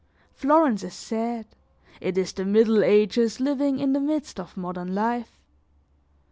Florence is sad, it is the Middle Ages living in the midst of modern life.